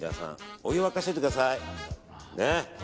お湯沸かしておいてください。